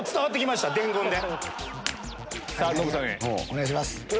お願いします。